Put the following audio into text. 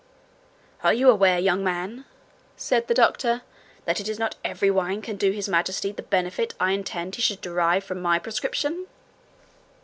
'Are you aware, young man,' said the doctor, 'that it is not every wine can do His Majesty the benefit I intend he should derive from my prescription?'